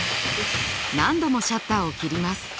何度もシャッターを切ります。